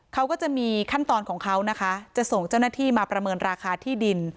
เขาก็จะมีขั้นตอนของเขานะคะจะส่งเจ้าหน้าที่มาประเมินราคาที่ดิน